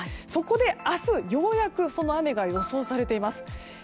そこで、明日ようやくその雨が予想されています。